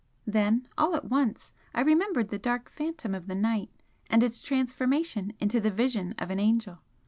Then all at once I remembered the dark Phantom of the night and its transformation into the Vision of an Angel.